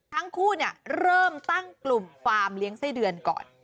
ทั้งคู่เริ่มตั้งกลุ่มฟาร์มเลี้ยงไส้เดือนก่อน